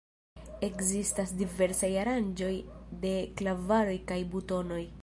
Ekzistas diversaj aranĝoj de klavaroj kaj butonoj.